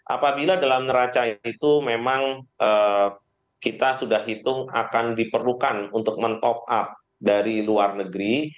apabila dalam neraca itu memang kita sudah hitung akan diperlukan untuk men top up dari luar negeri